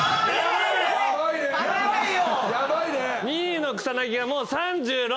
２位の草薙がもう３６！